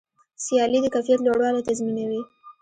سیالي د کیفیت لوړوالی تضمینوي.